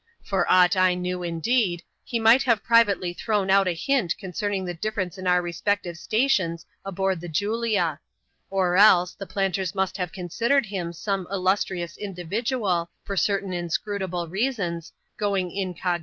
For aught I knew, indeed, he might have privately thrown out a hint con cerning the difference in our respective stations aboard the Julia ; or else, the planters must have considered him some illustrious individual, for certain inscrutable reasons, going incog.